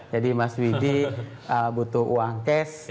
jadi mas widhi butuh uang cash